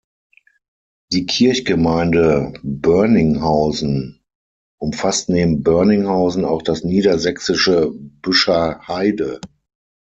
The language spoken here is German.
Die Kirchgemeinde Börninghausen umfasst neben Börninghausen auch das niedersächsische Büscherheide.